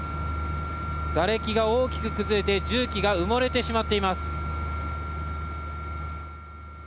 がれきが大きく崩れて重機が埋もれてしまっています。